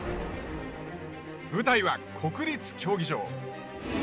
舞台は、国立競技場。